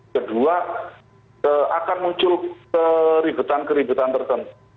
kedua akan muncul keributan keributan tertentu